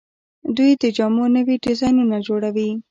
دوی د جامو نوي ډیزاینونه جوړوي.